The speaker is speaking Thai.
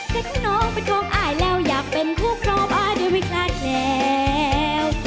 แต่ทุกน้องเป็นความอายแล้วอยากเป็นคู่พร้อมอายเดียวไม่คลาดแล้ว